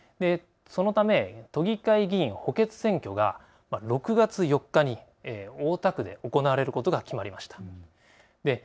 そのため都議会議員補欠選挙が６月４日に大田区で行われることが決まりました。